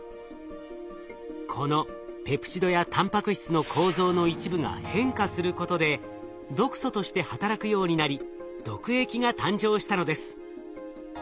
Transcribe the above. このペプチドやたんぱく質の構造の一部が変化することで毒素として働くようになり毒液が誕生したのです。